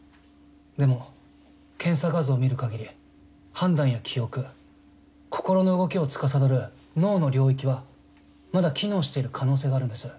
でも検査画像を見るかぎり判断や記憶心の動きをつかさどる脳の領域はまだ機能している可能性があるんです。